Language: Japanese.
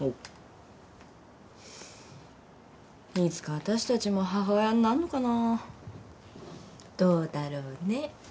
いつか私たちも母親になんのかなぁ。どうだろうね？